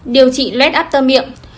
điều trị lết after miệng